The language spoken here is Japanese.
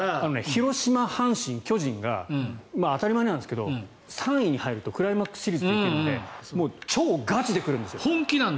広島、阪神、巨人が当たり前なんですけど３位に入るとクライマックスシリーズ行けるので超ガチで来るんですよ。